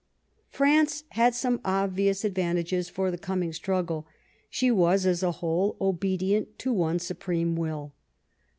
France had some obvious advantages for the coming struggle. She was, as a whole, obedient to one supreme will.